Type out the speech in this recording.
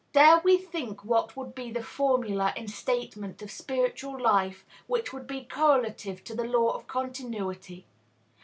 Dare we think what would be the formula in statement of spiritual life which would be correlative to the "law of continuity"?